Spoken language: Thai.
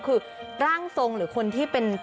คือร่างทรงหรือคนที่เป็น